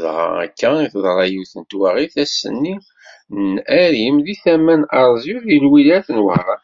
Dɣa akka i teḍra yiwet n twaɣit ass-nni n arim deg tama n Arezyu, deg twilayt n Wehran.